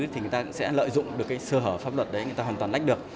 thì người ta cũng sẽ lợi dụng được cái sơ hở pháp luật đấy người ta hoàn toàn lách được